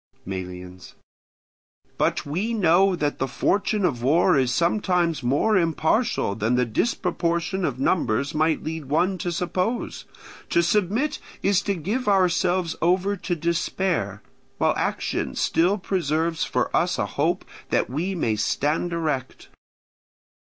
Melians. But we know that the fortune of war is sometimes more impartial than the disproportion of numbers might lead one to suppose; to submit is to give ourselves over to despair, while action still preserves for us a hope that we may stand erect.